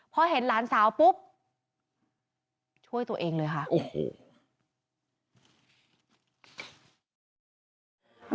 พอเห็นหลานสาวปุ๊บช่วยตัวเองเลยค่ะโอ้โห